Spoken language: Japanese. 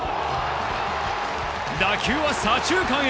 打球は左中間へ。